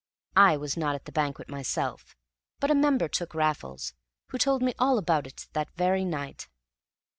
I was not at the banquet myself, but a member took Raffles, who told me all about it that very night.